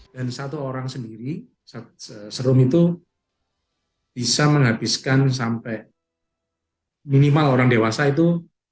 dan satu orang sendiri serum itu bisa menghabiskan sampai minimal orang dewasa itu